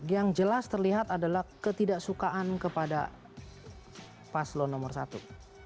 yang jelas terlihat adalah ketidaksukaan kepada paslon nomor satu